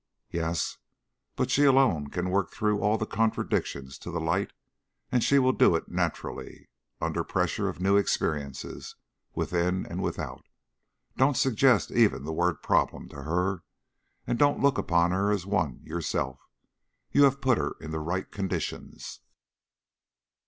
"Yes, but she alone can work through all the contradictions to the light, and she will do it naturally, under pressure of new experiences, within and without. Don't suggest even the word 'problem' to her, and don't look upon her as one, yourself. You have put her in the right conditions.